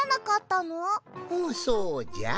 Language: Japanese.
うんそうじゃ。